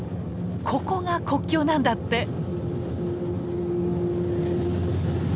ここが国境なんだって。